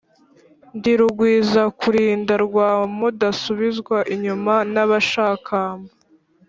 Ndi Rugwizakulinda rwa mudasubizwa inyuma n’abashakamba.